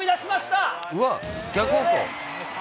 うわっ、逆方向。